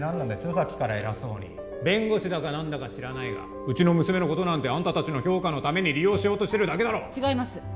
さっきから偉そうに弁護士だか何だか知らないがうちの娘のことなんてあんた達の評価のために利用しようとしてるだけだろ違います